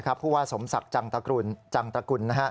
คือว่าสมศักย์จังตกุล